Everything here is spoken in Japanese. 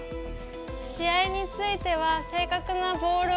試合については正確なボールを